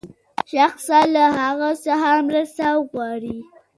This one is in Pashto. شخصاً له هغه څخه مرسته وغواړي.